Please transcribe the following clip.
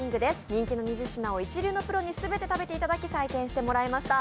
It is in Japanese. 人気の２０品を一流のプロに全て食べていただき、採点していただきました。